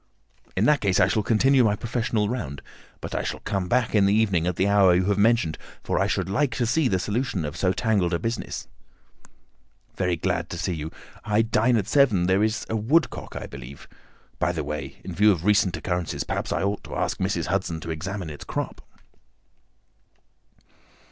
"In that case I shall continue my professional round. But I shall come back in the evening at the hour you have mentioned, for I should like to see the solution of so tangled a business." "Very glad to see you. I dine at seven. There is a woodcock, I believe. By the way, in view of recent occurrences, perhaps I ought to ask Mrs. Hudson to examine its crop."